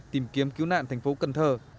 tìm kiếm cứu nạn thành phố cần thơ